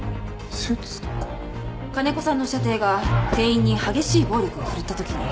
金子さんの舎弟が店員に激しい暴力を振るった時に。